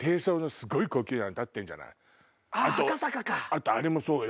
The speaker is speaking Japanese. あとあれもそうよ！